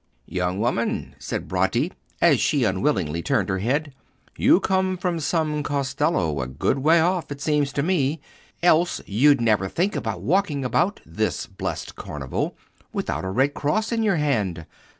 "Young woman," said Bratti, as she unwillingly turned her head, "you come from some castello a good way off, it seems to me, else you'd never think of walking about, this blessed Carnival, without a red cross in your hand.